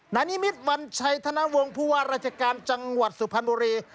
นายนิมิตรวัญชัยธนวงศ์ผู้ว่าราชการจังหวัดสุพรรณบุรี